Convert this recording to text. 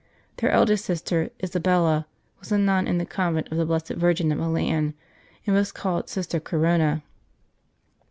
Their eldest sister, Isabella, was a nun in the Convent of the Blessed Virgin at Milan, and was called Sister Corona.